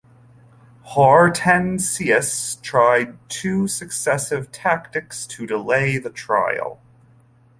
Hortensius tried two successive tactics to delay the trial.